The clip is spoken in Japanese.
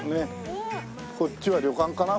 こっちは旅館かな？